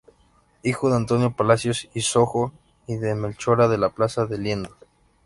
Hijo de Antonio Palacios y Sojo y de Melchora de la Plaza y Liendo.